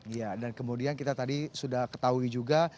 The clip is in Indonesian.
iya dan kemudian kita tadi sudah ketahui juga